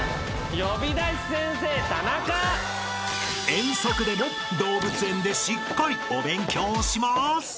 ［遠足でも動物園でしっかりお勉強します！］